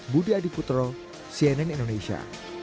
budi adiputro cnn indonesia